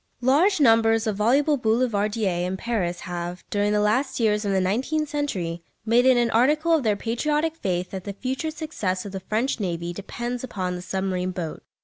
Large numbers of voluble "Boulevardiers" in Paris have, during the last years of the nineteenth century, made it an article of their patriotic faith that the future success of the French navy depends upon the submarine boat.